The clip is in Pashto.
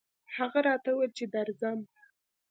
هغه راته وويل چې درځم